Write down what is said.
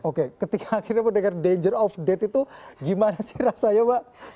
oke ketika akhirnya mendengar danger of death itu gimana sih rasanya mbak